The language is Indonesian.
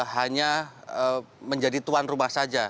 hanya menjadi tuan rumahnya